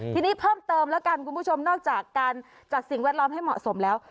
ทีนี้เพิ่มเติมแล้วกันคุณผู้ชมนอกจากการจัดสิ่งแวดล้อมให้เหมาะสมแล้ว